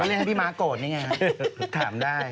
เล่นให้พี่ม้าโกรธนี่ไงครับถามได้